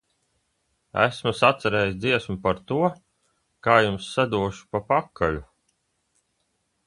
Esmu sacerējis dziesmu par to, kā jums sadošu pa pakaļu!